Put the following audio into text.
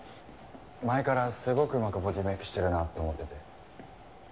前からすごくうまくボディメイクしてるなと思ってて。